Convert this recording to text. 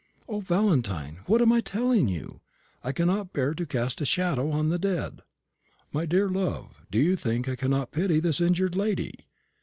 O, Valentine, what am I telling you? I cannot bear to cast a shadow on the dead." "My dear love, do you think I cannot pity this injured lady?